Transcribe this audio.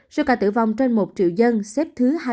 số ca tử vong trên một triệu dân xếp thứ hai mươi